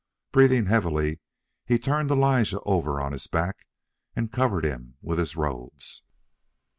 Breathing heavily, he turned Elijah over on his back, and covered him with his robes.